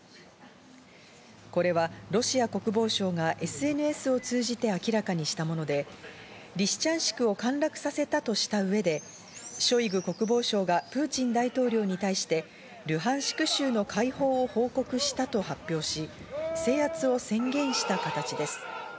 これはロシア国防省がＳＮＳを通じて明らかにしたもので、リシチャンシクを陥落させたとした上でショイグ国防相がプーチン大統領に対してルハンシク州の解放を報告したと発表し、制圧を宣言した形です。